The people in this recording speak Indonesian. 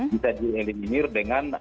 bisa dieliminir dengan